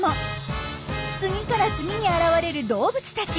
次から次に現れる動物たち。